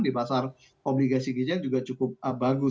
di pasar obligasi ginjal juga cukup bagus